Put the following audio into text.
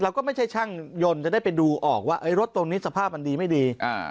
ไม่ใช่ช่างยนต์จะได้ไปดูออกว่ารถตรงนี้สภาพมันดีไม่ดี